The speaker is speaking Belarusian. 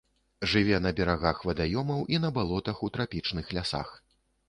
Жыве на берагах вадаёмаў і на балотах у трапічных лясах.